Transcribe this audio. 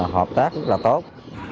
hợp tác rất là tốt